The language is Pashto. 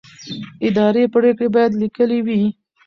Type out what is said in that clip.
اداري پرېکړې باید لیکلې وي.